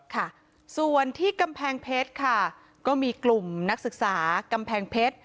ค่ะส่วนที่กำแพงเพชรค่ะก็มีกลุ่มนักศึกษากำแพงเพชร